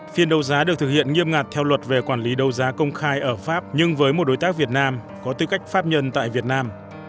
phiên đấu giá được thực hiện nghiêm ngặt theo luật về quản lý đấu giá công khai ở pháp nhưng với một đối tác việt nam có tư cách pháp nhân tại việt nam